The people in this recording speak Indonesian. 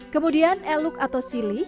kemudian eluk atau sili